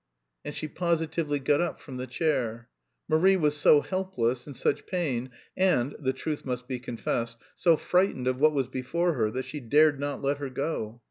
And she positively got up from the chair. Marie was so helpless, in such pain, and the truth must be confessed so frightened of what was before her that she dared not let her go.